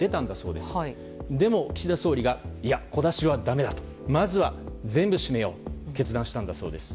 でも、岸田総理は小出しはだめだとまずは全部閉めようと決断したそうです。